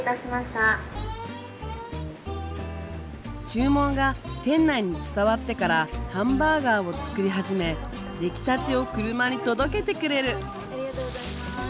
注文が店内に伝わってからハンバーガーを作り始め出来たてを車に届けてくれる。